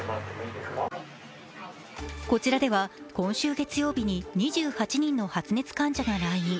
こちらでは今週月曜日に２８人の発熱患者が来院。